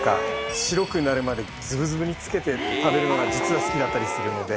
白くなるまでズブズブにつけて食べるのが実は好きだったりするので。